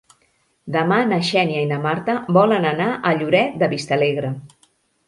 Demà na Xènia i na Marta volen anar a Lloret de Vistalegre.